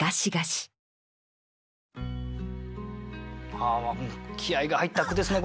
ああ気合いが入った句ですね